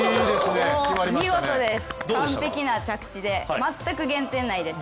見事です、完璧な着地で全く減点ないです。